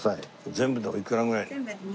全部でおいくらぐらい？